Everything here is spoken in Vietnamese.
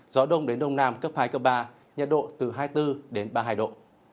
gió đông đến đông nam cấp hai ba nhiệt độ từ hai mươi bốn ba mươi hai độ